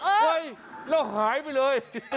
เฮ้ยเราหายไปเลย